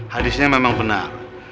hadisnya memang benar